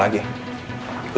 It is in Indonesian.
dan kami sudah ia plus